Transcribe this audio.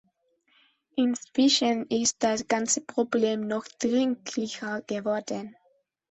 Inzwischen ist das ganze Problem noch dringlicher geworden.